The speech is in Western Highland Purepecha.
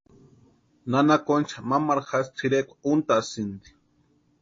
Nana Concha mamaru jasï tʼirekwa úntasïnti.